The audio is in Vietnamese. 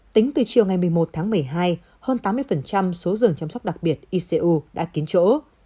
tính từ chiều ngày một mươi một tháng một mươi hai hơn tám mươi số giường chăm sóc đặc biệt icu đã kín chỗ